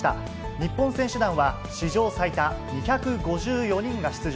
日本選手団は、史上最多２５４人が出場。